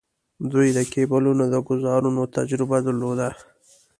دوی د کیبلونو د ګوزارونو تجربه درلوده.